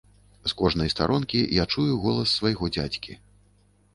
З кожнай старонкі я чую голас свайго дзядзькі.